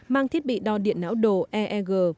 mang thiết bị đo điện não đồ eeg